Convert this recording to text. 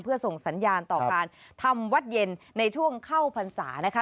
เพื่อส่งสัญญาณต่อการทำวัดเย็นในช่วงเข้าพรรษานะคะ